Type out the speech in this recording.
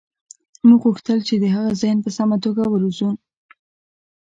موږ غوښتل چې د هغه ذهن په سمه توګه وروزو